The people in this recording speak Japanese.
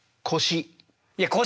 「腰」。